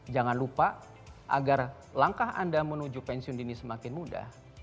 jangan lupa agar langkah anda menuju pensiun dini semakin mudah